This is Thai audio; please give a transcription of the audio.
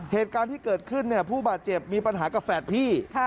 เหตุการณ์ที่เกิดขึ้นผู้บาดเจ็บมีปัญหากับแฝดพี่